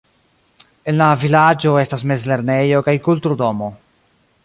En la vilaĝo estas mezlernejo kaj kultur-domo.